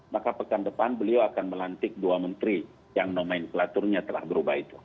maka pekan depan beliau akan melantik dua menteri yang nomenklaturnya telah berubah itu